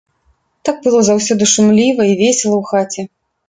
Так было заўсёды шумліва і весела ў хаце!